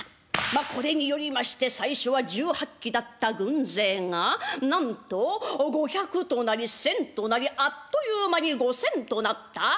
まっこれによりまして最初は１８騎だった軍勢がなんと５００となり１，０００となりあっという間に５，０００となった。